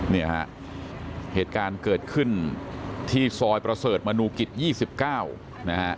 นี่เหตุการณ์เกิดขึ้นที่ซอยประเสริฐมนุกิจ๒๙